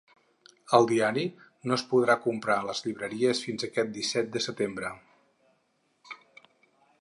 El diari no es podrà comprar a les llibreries fins aquest disset de setembre.